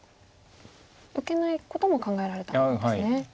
受けないことも考えられたんですね。